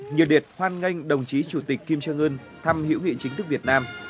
nhiều điệt hoan nghênh đồng chí chủ tịch kim trương ưn thăm hữu nghị chính thức việt nam